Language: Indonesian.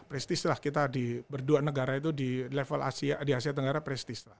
prestis lah kita di berdua negara itu di level asia di asia tenggara prestis lah